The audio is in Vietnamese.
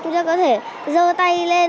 chúng ta có thể dơ tay lên